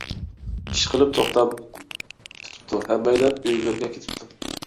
ئىشقىلىپ توختام پۈتۈپتۇ، ھەممەيلەن ئۆيلىرىگە كېتىپتۇ.